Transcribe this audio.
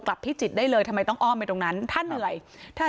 พิจิตรได้เลยทำไมต้องอ้อมไปตรงนั้นถ้าเหนื่อยถ้า